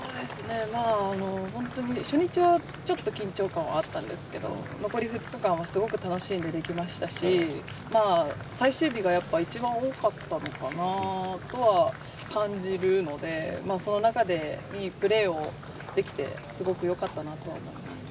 本当に初日は緊張感があったんですが残り２日間はすごく楽しんでできましたし最終日が一番多かったのかなとは感じるのでその中で、いいプレーをできてすごくよかったなとは思います。